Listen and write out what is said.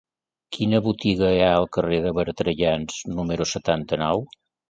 Quina botiga hi ha al carrer de Bertrellans número setanta-nou?